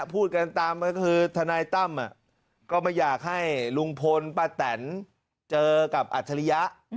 พูดกันตามก็คือทนายตั้มก็ไม่อยากให้ลุงพลป้าแตนเจอกับอัจฉริยะ